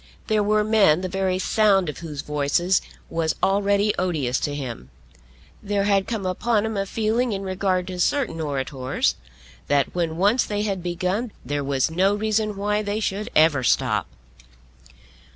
There were men the very sound of whose voices was already odious to him. There had come upon him a feeling in regard to certain orators, that when once they had begun there was no reason why they should ever stop.